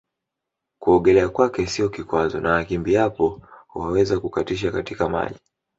Kuogelea kwake sio kikwazo na akimbiaapo huaweza kukatisha katika maji